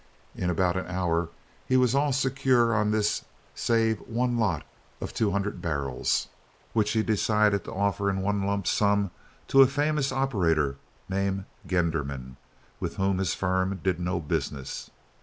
In about an hour he was all secure on this save one lot of two hundred barrels, which he decided to offer in one lump to a famous operator named Genderman with whom his firm did no business.